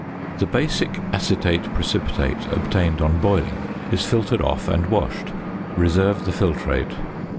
The basic acetate precipitate obtained on boiling is filtered off and washed. Reserve the filtrate.